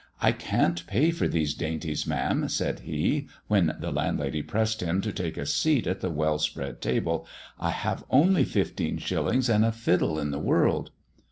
" I can't pay for these dainties, ma'am," said he, when the landlady pressed him to take a seat at the well spread table. " I have only fifteen shillings and a fiddle in the world."